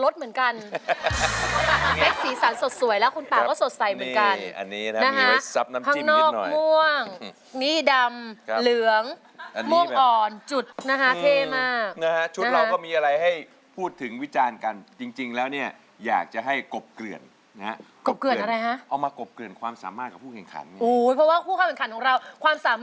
เดินผ่านเข้ามาฮะนะฮะตากล้องรีบหาเชือกรัดเป๊กใหญ่เลยอ่ะ